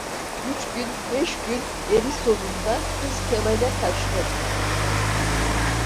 Üç gün, beş gün, eri sonunda kız Kemal'e kaçtı…